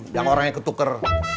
biar orangnya ketukar